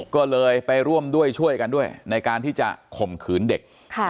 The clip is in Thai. ก็เลยไปร่วมด้วยช่วยกันด้วยในการที่จะข่มขืนเด็ก